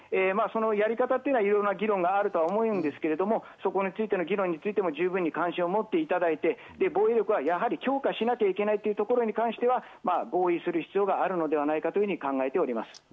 やり方はいろいろな議論があると思うんですけど、そこについても十分、関心を持っていただいて、防衛力はやはり強化しなきゃいけないというところに関しては合意する必要があるのではないかと考えております。